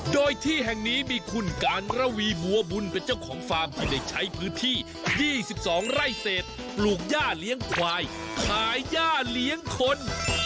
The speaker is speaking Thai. โดยที่แห่งนี้มีคุณการระวีบัวบุญเป็นเจ้าของฟาร์มที่ได้ใช้พื้นที่๒๒ไร่เศษปลูกย่าเลี้ยงควายขายย่าเลี้ยงคน